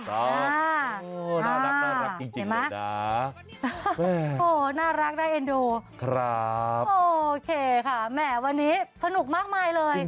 โอ้โหน่ารักจริงนะโอ้โหน่ารักน่าเอ็นดูครับโอเคค่ะแหมวันนี้สนุกมากมายเลย